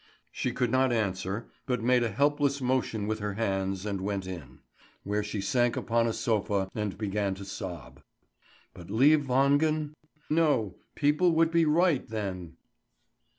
She could not answer, but made a helpless motion with her hands and went in, where she sank upon a sofa and began to sob. But leave Wangen? No, people would be right then!